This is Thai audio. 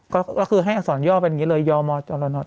ก็คือให้อักษรย่ออย่างนี้เลยยจรณอน